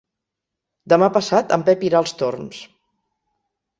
Demà passat en Pep irà als Torms.